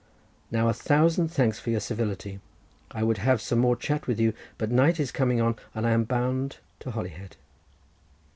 Now a thousand thanks for your civility. I would have some more chat with you, but night is coming on, and I am bound to Holyhead."